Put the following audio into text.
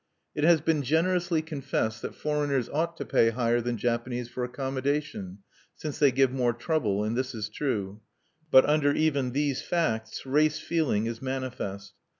It has been generously confessed that foreigners ought to pay higher than Japanese for accommodation, since they give more trouble; and this is true. But under even these facts race feeling is manifest.